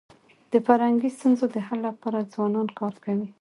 د فرهنګي ستونزو د حل لپاره ځوانان کار کوي.